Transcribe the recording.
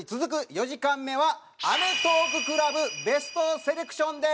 ４時間目はアメトーークＣＬＵＢＢＥＳＴセレクションです！